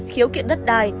khiếu kiện đất đai